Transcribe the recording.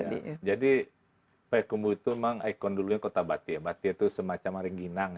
iya iya jadi payakumbu itu memang ikon dulunya kota batie batie itu semacam aring ginang ya